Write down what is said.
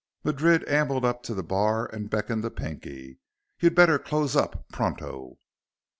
Madrid ambled up to the bar and beckoned to Pinky. "You better close up, pronto."